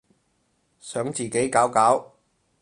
想自己搞搞